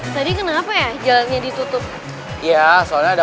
tadi kenapa ya jalannya ditutup ya soalnya ada